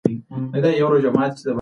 تاوتریخوالی د حل لاره نه ده.